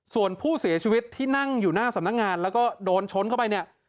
ส่วนผู้เสียชีวิตที่นั่งอยู่หน้าสำนักงานแล้วก็โดนชนเข้าไปเนี่ย